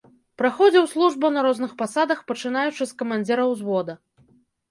Праходзіў службу на розных пасадах, пачынаючы з камандзіра ўзвода.